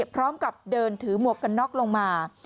พร้อมกับเดินถือหมวกกันน็อกลงมา